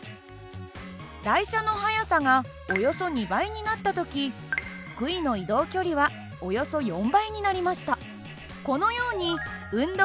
台車の速さがおよそ２倍になった時杭の移動距離はおよそ４倍になりました。